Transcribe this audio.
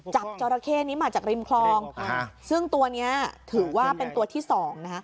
จราเข้นี้มาจากริมคลองซึ่งตัวนี้ถือว่าเป็นตัวที่สองนะคะ